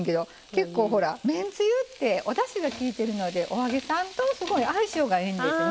結構ほらめんつゆっておだしがきいてるのでお揚げさんとすごい相性がええんですね。